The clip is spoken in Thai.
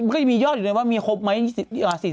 ก็มียอดอีกเลยว่ามีครบไหม๔๕คนไหม